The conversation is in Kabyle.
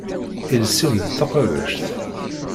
Iles-im d taqabact.